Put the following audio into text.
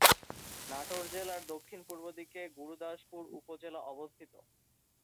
নাটোর জেলার দক্ষিণ পূর্বদিকে গুরুদাসপুর উপজেলা অবস্থিত।